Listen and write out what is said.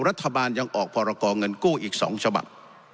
รัฐบาลยังออกพรกรเงินกู้อีก๒ฉบับ